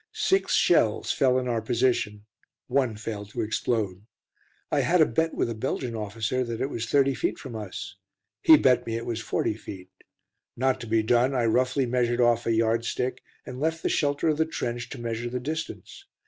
Six shells fell in our position, one failed to explode. I had a bet with a Belgian officer that it was 30 feet from us. He bet me it was 40 feet. Not to be done, I roughly measured off a yard stick, and left the shelter of the trench to measure the distance.